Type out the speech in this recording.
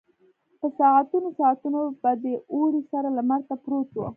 په ساعتونو ساعتونو به د اوړي سره لمر ته پروت و.